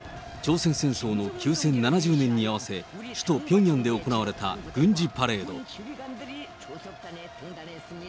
先週、朝鮮戦争の休戦７０年に合わせ、首都ピョンヤンで行われた軍事パレード。